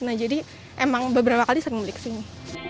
nah jadi emang beberapa kali sering beli kesini